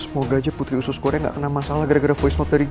semoga aja putri sus goreng gak kena masalah karena voice knot dari gw